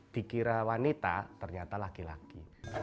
dikira wanita ternyata laki laki